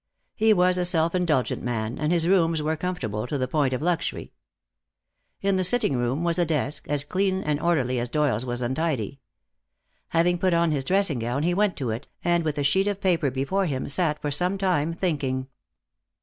He was a self indulgent man, and his rooms were comfortable to the point of luxury. In the sitting room was a desk, as clean and orderly as Doyle's was untidy. Having put on his dressing gown he went to it, and with a sheet of paper before him sat for some time thinking.